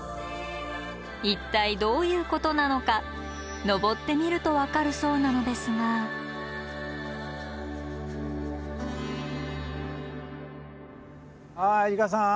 一体どういうことなのか登ってみると分かるそうなのですがあ里香さん。